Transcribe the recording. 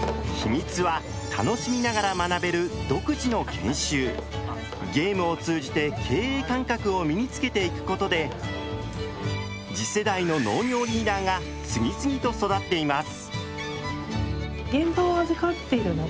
秘密はゲームを通じて経営感覚を身につけていくことで次世代の「農業リーダー」が次々と育っています。